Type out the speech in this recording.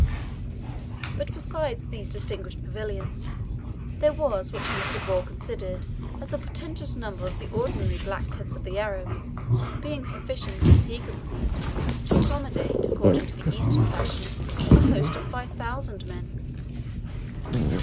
But besides these distinguished pavilions, there were what Thomas de Vaux considered as a portentous number of the ordinary black tents of the Arabs, being sufficient, as he conceived, to accommodate, according to the Eastern fashion, a host of five thousand men.